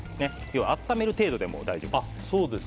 要は、温める程度でも大丈夫です。